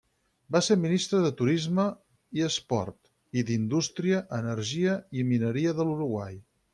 Va ser ministre de Turisme i Esport i d'Indústria, Energia i Mineria de l'Uruguai.